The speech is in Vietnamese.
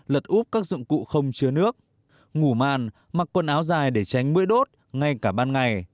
lật úp các dụng cụ không chứa nước ngủ màn mặc quần áo dài để tránh mũi đốt ngay cả ban ngày